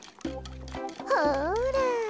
ほら。